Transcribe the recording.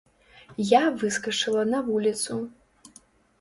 Я выскачыла на вуліцу.